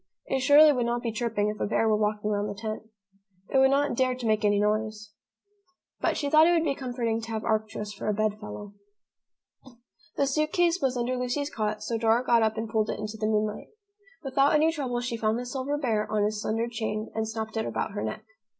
It surely would not be chirping if a bear were walking round the tent. It would not dare to make any noise. But she thought it would be comforting to have Arcturus for a bed fellow. The suit case was under Lucy's cot, so Dora got up and pulled it into the moonlight. Without any trouble she found the silver bear on his slender chain and snapped it about her neck.